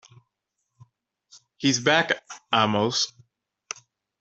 He's back, Amos!